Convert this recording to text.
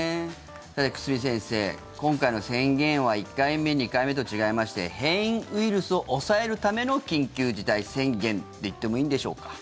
久住先生、今回の宣言は１回目、２回目と違いまして変異ウイルスを抑えるための緊急事態宣言と言ってもいいんでしょうか。